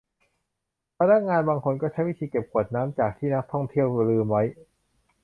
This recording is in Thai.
พนักงานบางคนใช้วิธีเก็บขวดน้ำจากที่นักท่องเที่ยวลืมไว้